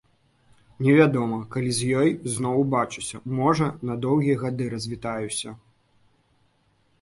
Невядома, калі з ёй зноў убачуся, можа, на доўгія гады развітаюся.